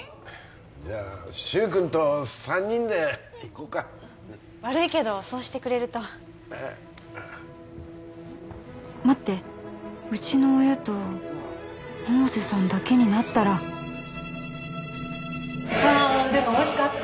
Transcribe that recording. じゃあ柊くんと三人で行こうか悪いけどそうしてくれると待ってうちの親と百瀬さんだけになったらあーでもおいしかった